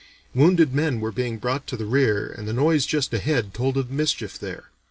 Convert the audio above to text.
Wounded men were being brought to the rear and the noise just ahead told of mischief there.